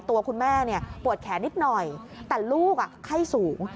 ตัวคุณแม่ปวดแขนนิดหน่อยแต่ลูกไข้สูง